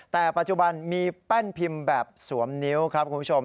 แต่ปัจจุบันมีแป้นพิมพ์แบบสวมนิ้วครับคุณผู้ชม